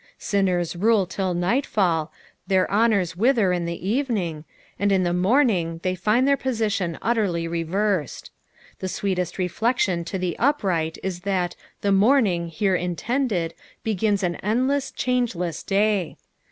Sinners rule till night fall ; their honours wither in the evening, and in the morning they find their position utterly reversed. The aweeteat reflection to the upright is that " the morning" here intended bei^as an endless, changeless, day.